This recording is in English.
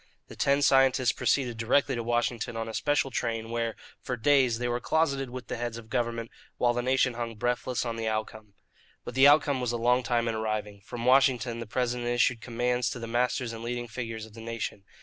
The ten scientists proceeded directly to Washington on a special train, where, for days, they were closeted with the heads of government, while the nation hung breathless on the outcome. But the outcome was a long time in arriving. From Washington the President issued commands to the masters and leading figures of the nation.